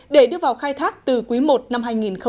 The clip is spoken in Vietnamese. để đưa vào khai thác từ cuối một năm hai nghìn một mươi chín